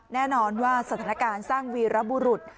แน่นอนว่าสถานการณ์สร้างวีรบุรุษ